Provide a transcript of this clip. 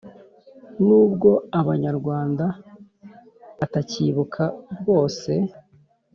” n’ubwo abanyarwanda batakibuka bwose,